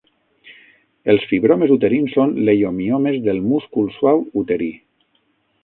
Els fibromes uterins són leiomiomes del múscul suau uterí.